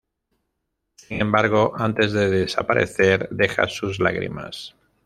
Sin embargo antes de desaparecer deja sus "lágrimas".